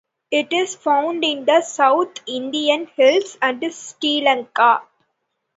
It is found in the south Indian hills and Sri Lanka.